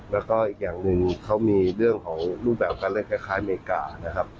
แล้วก็อีกอย่างหนึ่งเขามีเรื่องของรูปแบบการเล่นคล้ายอเมริกานะครับ